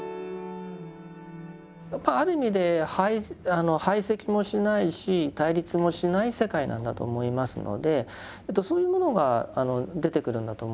やっぱりある意味で排斥もしないし対立もしない世界なんだと思いますのでそういうものが出てくるんだと思います。